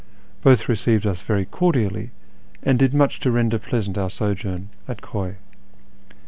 Both received us very cordially, and did much to render pleasant our sojourn at Khuy.